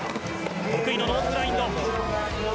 得意のノーズグラインド。